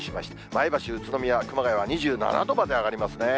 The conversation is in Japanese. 前橋、宇都宮、熊谷は２７度まで上がりますね。